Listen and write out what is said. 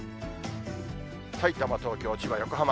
さいたま、東京、千葉、横浜。